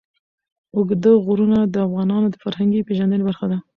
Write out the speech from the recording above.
اوږده غرونه د افغانانو د فرهنګي پیژندنې برخه ده.